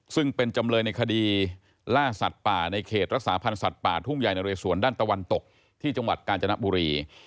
ซึ่งเป็นจำเลยในคดีล่าสัตว์ป่าในเขตรักษาพันธ์สัตว์ป่าทุ่งใหญ่นะเรสวนด้านตะวันตกที่จังหวัดกาญจนบุรี